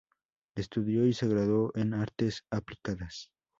Estudió y se graduó en Artes Aplicadas.